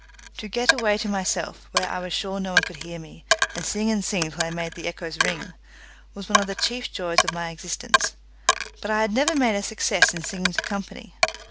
To get away to myself, where I was sure no one could bear me, and sing and sing till I made the echoes ring, was one of the chief joys of my existence, but I had never made a success in singing to company.